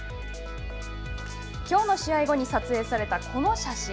きょうの試合後に撮影されたこの写真。